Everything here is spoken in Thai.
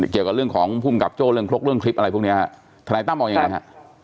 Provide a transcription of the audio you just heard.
เกี่ยวกับเรื่องของภูมิกับโจ้เรื่องครกเรื่องคลิปอะไรพวกเนี้ยฮะทนายตั้มมองยังไงฮะ